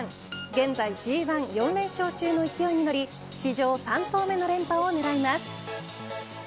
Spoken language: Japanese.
現在Ｇ１、４連勝中の勢いに乗り史上３頭目の連覇を狙います。